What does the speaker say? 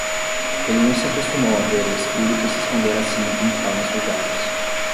Ele não se acostumou a ver o espírito se esconder assim em formas vulgares.